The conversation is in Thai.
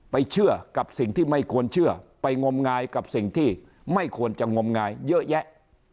เชื่อกับสิ่งที่ไม่ควรเชื่อไปงมงายกับสิ่งที่ไม่ควรจะงมงายเยอะแยะ